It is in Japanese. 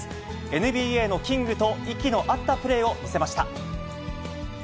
ＮＢＡのキングと息の合ったプレーを見せました。